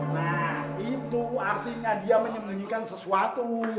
nah itu artinya dia menyembunyikan sesuatu